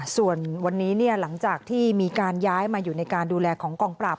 ส่วนวันนี้หลังจากที่มีการย้ายมาอยู่ในการดูแลของกองปราบ